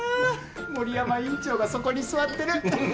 森山院長がそこに座ってる。